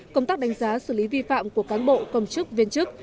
công tác đánh giá xử lý vi phạm của cán bộ công chức viên chức